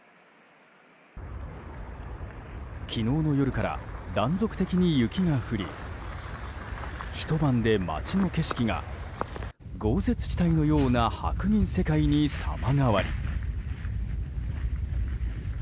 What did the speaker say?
昨日の夜から断続的に雪が降りひと晩で、街の景色が豪雪地帯のような白銀世界に様変わり。